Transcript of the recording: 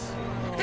え？